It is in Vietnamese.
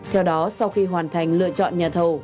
theo đó sau khi hoàn thành lựa chọn nhà thầu